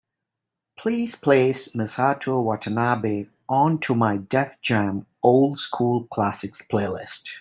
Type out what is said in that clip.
Please place Misato Watanabe onto my Def Jam Old School Classics playlist.